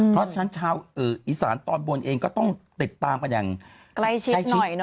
เพราะฉะนั้นชาวอีสานตอนบนเองก็ต้องติดตามกันอย่างใกล้ชิดใกล้ชิด